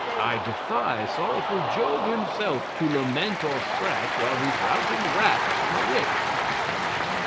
I'd defy sorrowful job himself to lament or scratch while he's routing rats from a rick.